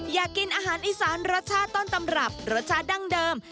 อยากกินอาหารอีสานรสชาติต้นตำรับรสชาติดั้งเดิม